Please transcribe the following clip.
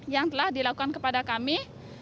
yang telah dilakukan kepada kami